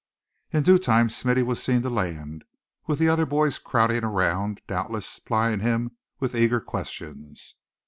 In due time Smithy was seen to land, with the other boys crowding around, doubtless plying him with eager questions.